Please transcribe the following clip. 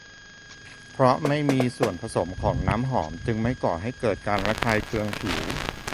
เพราะไม่มีส่วนผสมของน้ำหอม จึงไม่ก่อให้เกิดการระคายเคืองผิว